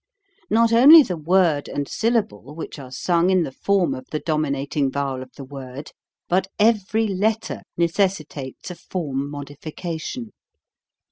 Not only the word and syllable which are sung in the form of the dominating vowel of the word, but every letter necessitates a form modification.